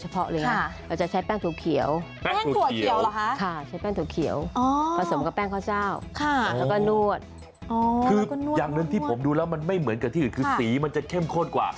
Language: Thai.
คืออย่างนั้นที่ดูมาไม่เหมือนกับที่อื่นคือสีมันจะเข้มโครวกว่า